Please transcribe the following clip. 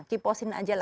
keep posting aja lah